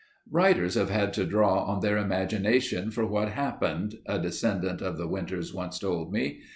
"Writers have had to draw on their imagination for what happened," a descendant of the Winters once told me.